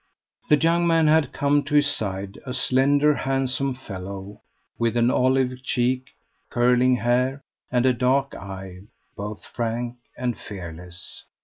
The young man had come to his side a slender, handsome fellow, with an olive cheek, curling hair, and a dark eye both frank and fearless.